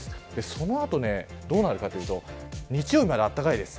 その後どうなるかというと日曜日まであったかいです。